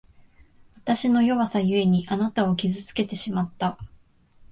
わたしの弱さゆえに、あなたを傷つけてしまった。